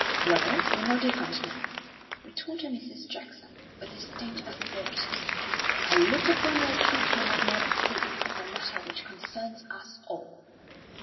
"Well, you know different now," retorted Mrs. Jackson, with distinct asperity. "I look upon your treatment of Mary Clibborn as a matter which concerns us all."